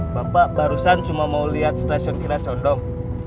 bapak barusan cuma mau liat stasiun kira condong